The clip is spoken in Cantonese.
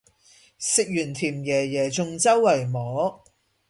食完甜椰椰仲周圍摸